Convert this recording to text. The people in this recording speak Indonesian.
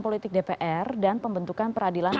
politik dpr dan pembentukan peradilan